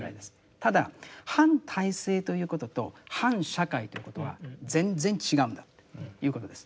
ただ反体制ということと反社会ということは全然違うんだということです。